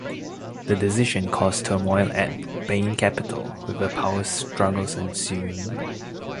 The decision caused turmoil at Bain Capital, with a power struggle ensuing.